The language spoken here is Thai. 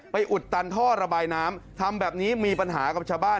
อุดตันท่อระบายน้ำทำแบบนี้มีปัญหากับชาวบ้าน